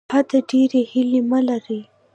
له حده ډیرې هیلې مه لره.